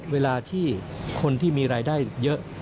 เวลาที่คนที่มีรายได้เยอะ